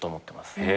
へえ。